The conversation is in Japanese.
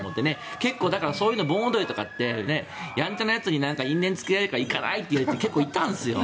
結構、盆踊りとかってやんちゃなやつに因縁つけられるから行かないって人結構いたんですよ。